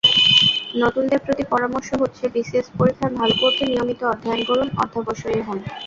নতুনদের প্রতি পরামর্শ হচ্ছে—বিসিএস পরীক্ষায় ভালো করতে নিয়মিত অধ্যয়ন করুন, অধ্যবসায়ী হোন।